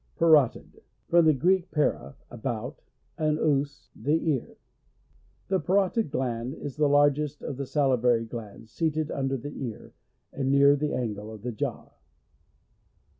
j Parotid. — From the Greek, para,'< about, and ons, the ear. The paro tid gland is the largest of the sali vary glands, seated under the ear, and near the angle of the jaw.